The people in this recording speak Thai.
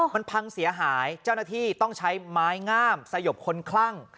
มันพังเสียหายเจ้าหน้าที่ต้องใช้ไม้งามสยบคนคลั่ง